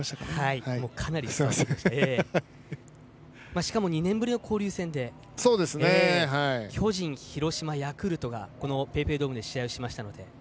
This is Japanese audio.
しかも２年ぶりの交流戦で巨人、広島、ヤクルトが、このＰａｙＰａｙドームで試合をしました。